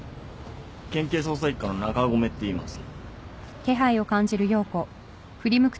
県警捜査一課の中込っていいます。